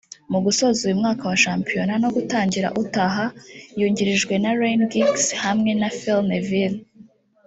mu gusoza uyu mwaka wa shampiyona no gutangira utaha yungirijwe na Ryan Giggs hamwe na Phil Neville